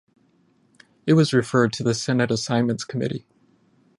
It was referred to the Senate Assignments Committee.